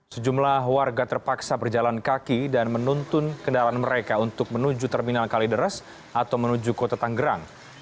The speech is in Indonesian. sejumlah warga terpaksa berjalan kaki dan menuntun kendaraan mereka untuk menuju terminal kalideres atau menuju kota tanggerang